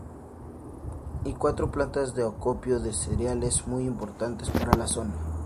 Y cuatro plantas de acopio de cereales muy importantes para la zona.